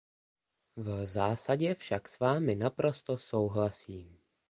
V zásadě však s vámi naprosto souhlasím.